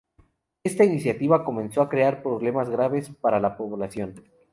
Esta iniciativa comenzó a crear problemas graves para la población.